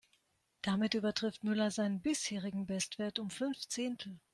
Damit übertrifft Müller seinen bisherigen Bestwert um fünf Zehntel.